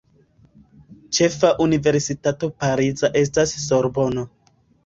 Ĉefa universitato pariza estas Sorbono.